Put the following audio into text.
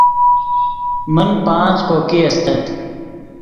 من پانچ کوکے استت